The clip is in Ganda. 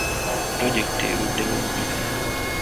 Pulojekiti eruddewo nnyo.